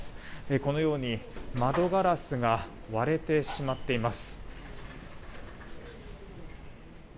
このように窓ガラスが割れてしまっています。